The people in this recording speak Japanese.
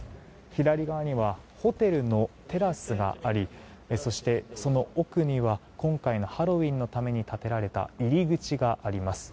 左側にはホテルのテラスがありそして、その奥には今回のハロウィーンのために建てられた入り口があります。